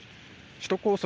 首都高速